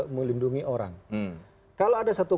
melindungi orang kalau ada satu